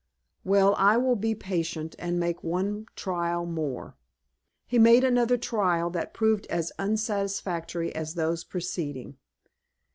Well, I will be patient, and make one trial more." He made another trial, that proved as unsatisfactory as those preceding.